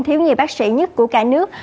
thiếu nhiều bác sĩ nhất của cả nước